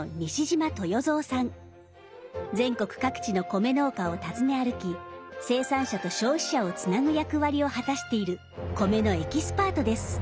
全国各地の米農家を訪ね歩き生産者と消費者をつなぐ役割を果たしている米のエキスパートです。